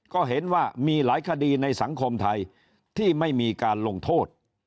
ก็เห็นว่ามีหลายคดีในสังคมไทยที่ไม่มีการลงโทษ